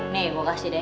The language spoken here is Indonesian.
nih gue kasih deh